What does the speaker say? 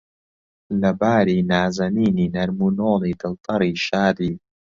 لەباری، نازەنینی، نەرم و نۆڵی، دڵتەڕی، شادی